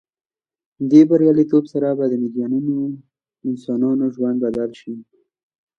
دې بریالیتوب سره به د میلیونونو انسانانو ژوند بدل شي.